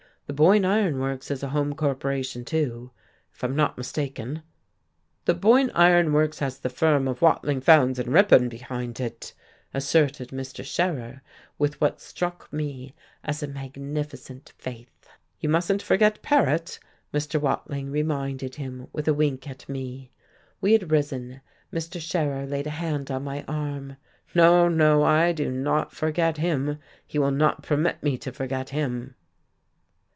"The Boyne Iron Works is a home corporation too, if I am not mistaken." "The Boyne Iron Works has the firm of Wading, Fowndes and Ripon behind it," asserted Mr. Scherer, with what struck me as a magnificent faith. "You mustn't forget Paret," Mr. Watling reminded him, with a wink at me. We had risen. Mr. Scherer laid a hand on my arm. "No, no, I do not forget him. He will not permit me to forget him."